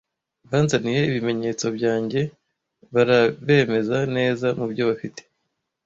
Banzaniye ibimenyetso byanjye, barabemeza neza mubyo bafite.